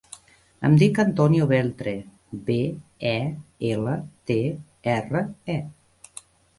Em dic Antonio Beltre: be, e, ela, te, erra, e.